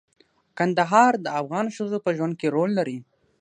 کندهار د افغان ښځو په ژوند کې رول لري.